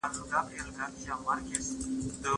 که وخت وي، سينه سپين کوم!.